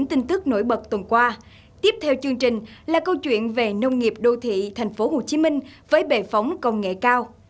tiếp theo chương trình là câu chuyện về nông nghiệp đô thị tp hcm với bề phóng công nghệ cao